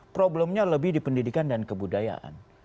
problemnya lebih di pendidikan dan kebudayaan